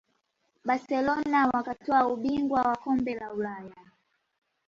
barcelona wakatwaa ubingwa wa kombe la ulaya